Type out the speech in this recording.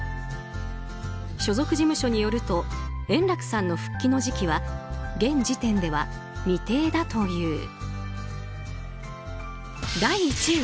所属事務所によると円楽さんの復帰の時期は現時点では未定だという。